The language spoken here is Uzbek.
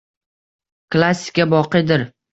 Klassika boqiydir